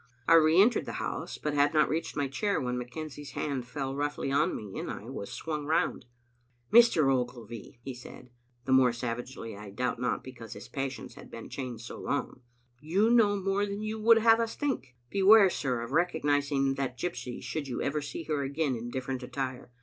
I re entered the house, but had not reached my chair when McKenzie's hand fell roughly on me, and I was swung round. "Mr. Ogilvy," he said, the more savagely I doubt not because his passions had been chained so long, " you know more than you would have us think. Be ware, sir, of recognising that gypsy should you ever see her again in different attire.